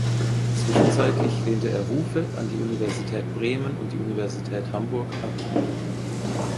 Zwischenzeitlich lehnte er Rufe an die Universität Bremen und die Universität Hamburg ab.